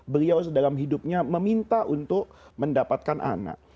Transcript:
beliau dalam hidupnya meminta untuk mendapatkan anak